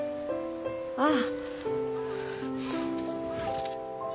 ああ。